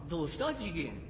次元。